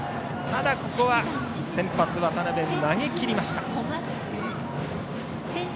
ただ、ここは先発の渡部投げきりました。